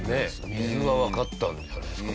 水がわかったんじゃないですか？